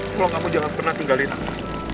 kalau kamu jangan pernah tinggalin aku